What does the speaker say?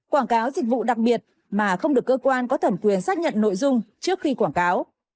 quảng cáo dịch vụ đặc biệt mà không được cơ quan có thẩm quyền xác nhận nội dung trước khi quảng cáo